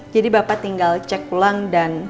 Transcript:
jadi bapak tinggal cek pulang dan